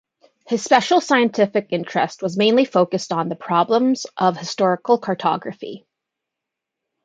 His special scientific interest was mainly focused on the problems of historical cartography.